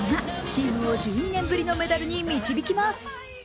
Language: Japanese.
チームを１２年ぶりのメダルに導きます。